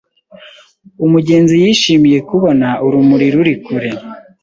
Umugenzi yishimiye kubona urumuri ruri kure.